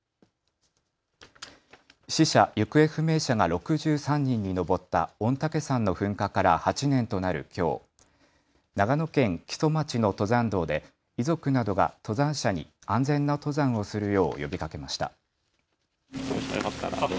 死者・行方不明者が６３人に上った御嶽山の噴火から８年となるきょう、長野県木曽町の登山道で遺族などが登山者に安全な登山をするよう呼びかけました。